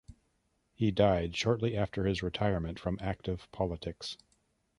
He died shortly after his retirement from active politics.